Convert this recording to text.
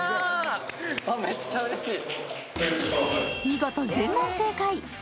見事、全問正解。